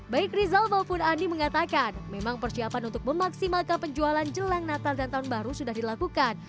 baik rizal maupun andi mengatakan memang persiapan untuk memaksimalkan penjualan jelang natal dan tahun baru sudah dilakukan